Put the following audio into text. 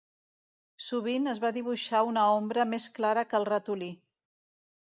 Sovint es va dibuixar una ombra més clara que el ratolí.